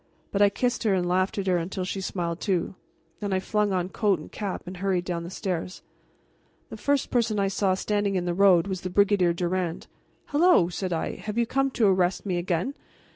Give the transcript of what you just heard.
But I kissed her and laughed at her until she smiled too. Then I flung on coat and cap and hurried down the stairs. The first person I saw standing in the road was the Brigadier Durand. "Hello!" said I, "have you come to arrest me again?